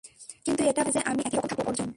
কিন্তু এটা ভাবিস না যে আমি একই রকম থাকবো, অর্জুন।